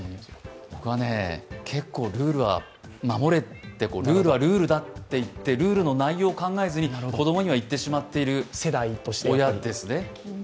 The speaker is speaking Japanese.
僕は結構、ルールは守れって、ルールはルールだって、ルールの内容を考えずに子供には言ってしまっている親ですね。